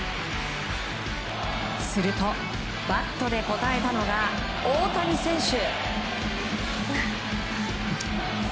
するとバットで応えたのが大谷選手。